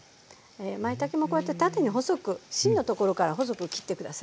まいたけもこうやって縦に細く芯のところから細く切って下さい。